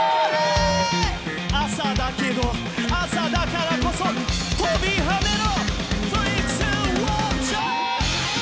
朝だけど、朝だからこそ飛び跳ねろ！